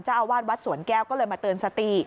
อาวาสวัดสวนแก้วก็เลยมาเตือนสติ